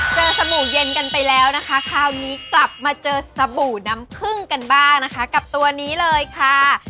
สบู่เย็นกันไปแล้วนะคะคราวนี้กลับมาเจอสบู่น้ำผึ้งกันบ้างนะคะกับตัวนี้เลยค่ะ